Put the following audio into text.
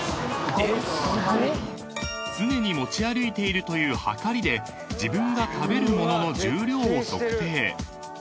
［常に持ち歩いているというはかりで自分が食べるものの重量を測定］